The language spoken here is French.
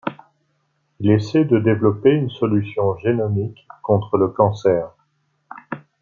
Il essaie de développer une solution génomique contre le cancer.